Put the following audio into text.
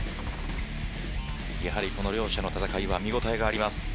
やはりこの両者の戦いは見応えがあります。